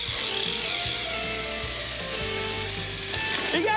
いけ！